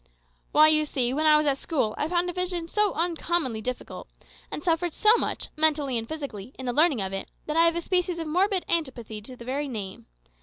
"Why, you see, when I was at school I found division so uncommonly difficult, and suffered so much, mentally and physically, in the learning of it, that I have a species of morbid antipathy to the very name.